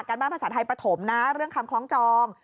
บ้านภาษาไทยประถมนะเรื่องคำคล้องจอง